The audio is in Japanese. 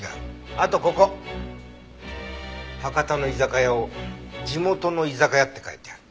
あとここ博多の居酒屋を「地元の居酒屋」って書いてある。